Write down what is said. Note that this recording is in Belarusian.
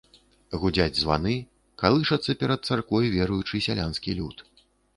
Гудзяць званы, калышацца перад царквой веруючы сялянскі люд.